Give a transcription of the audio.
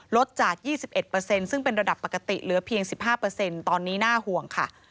ลดจาก๒๑ซึ่งเป็นระดับปกติเหลือเพียง๑๕ตอนนี้น่าห่วงค่ะ